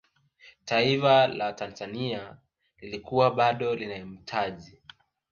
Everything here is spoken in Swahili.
taifa la tanzania lilikuwa bado linamhitaji